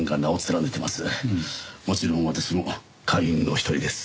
もちろん私も会員の一人です。